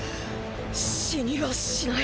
死にはしない